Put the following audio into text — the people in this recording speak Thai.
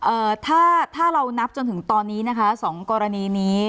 เอ่อถ้าถ้าเรานับจนถึงตอนนี้นะคะสองกรณีนี้